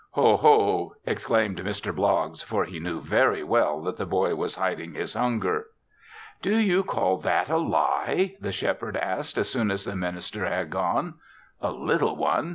"Ho, ho!" exclaimed Mr. Bloggs, for he knew very well that the boy was hiding his hunger. "Do you call that a lie?" the Shepherd asked as soon as the minister had gone. "A little one!